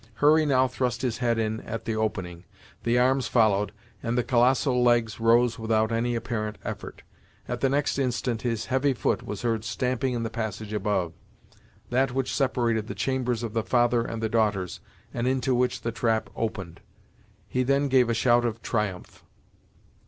Hurry now thrust his head in at the opening; the arms followed, and the colossal legs rose without any apparent effort. At the next instant, his heavy foot was heard stamping in the passage above; that which separated the chambers of the father and daughters, and into which the trap opened. He then gave a shout of triumph.